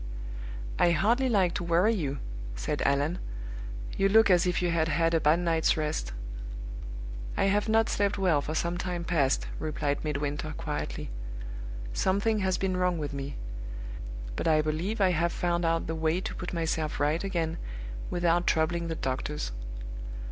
"I hardly like to worry you," said Allan. "You look as if you had had a bad night's rest." "I have not slept well for some time past," replied Midwinter, quietly. "Something has been wrong with me. But I believe I have found out the way to put myself right again without troubling the doctors.